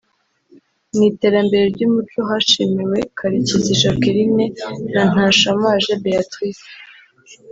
Mu iterambere ry’umuco hashimiwe Karekezi Jacqueline na Ntashamaje Béatrice